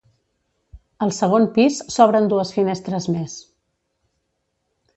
Al segon pis s'obren dues finestres més.